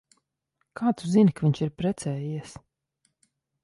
Kā tu zini, ka viņš ir precējies?